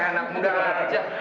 enak mudah saja